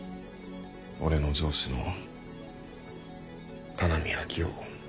俺の上司の田波秋生。